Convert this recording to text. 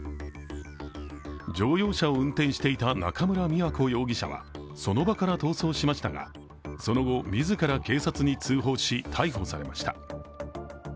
乗用車を運転していた中村美和子容疑者はその場から逃走しましたが、その後自ら警察に通報し逮捕されました。